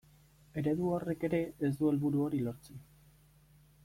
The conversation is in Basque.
Eredu horrek ere ez du helburu hori lortzen.